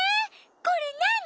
これなに？